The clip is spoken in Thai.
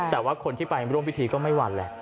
แต่ว่าคนที่ไปร่วมพิธีก็ไม่หวั่นแหละ